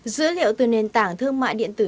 dữ liệu từ nền tảng thương mại điện tử